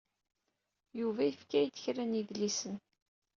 Yuba yefka-yi-d kra n yidlisen.